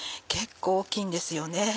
結構大きいんですよね。